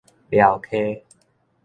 潦溪